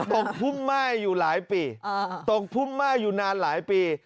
พุ่มไหม้อยู่หลายปีตกพุ่มไหม้อยู่นานหลายปี